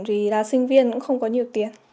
vì là sinh viên cũng không có nhiều tiền